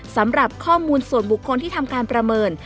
สำหรับข้อมูลส่วนบุคคลที่ทำการประเมิน